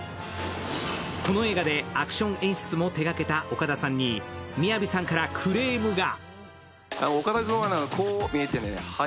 この映画でアクション演出も手がけた岡田さんにＭＩＹＡＶＩさんからクレームが。